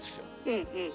うんうん。